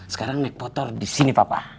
sekarang naik motor di sini papa